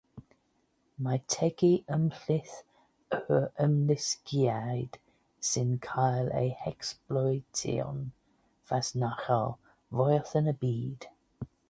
Mae tegu ymhlith yr ymlusgiaid sy'n cael eu hecsbloetio'n fasnachol fwyaf yn y byd.